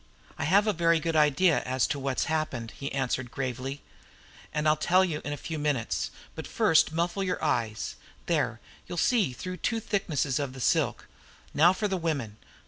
"I have a very good idea as to what's happened," he answered gravely. "And I'll tell you in a few minutes. But first muffle your eyes there, you'll see through two thicknesses of the silk. Now for the women.